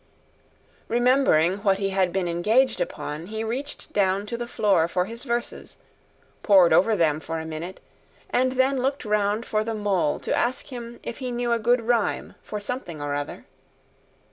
Remembering what he had been engaged upon, he reached down to the floor for his verses, pored over them for a minute, and then looked round for the Mole to ask him if he knew a good rhyme for something or other.